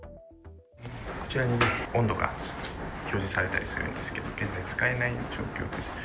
こちらに温度が表示されたりするんですけど、現在、使えない状況ですね。